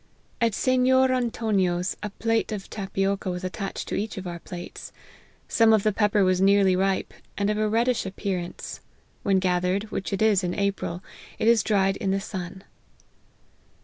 At Sennor Antonio's, a plate of tapioca was attached to each of our plates. Some of the pepper was nearly ripe, and of a reddish ap pearance ; when gathered, which it is in April, it is dried in the sun."